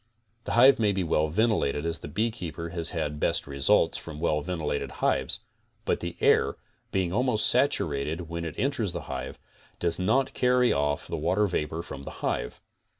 The hive may be well ventilated as the beekeeper has had best results from well ventilated hives; but the air, being almost saturated when it enters the hive, does not carry off the water vapor from the hive.